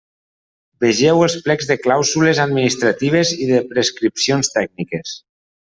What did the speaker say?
Vegeu els plecs de clàusules administratives i de prescripcions tècniques.